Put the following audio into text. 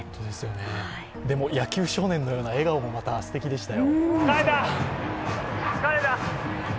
野球少年のような笑顔もまた、すてきでしたよ。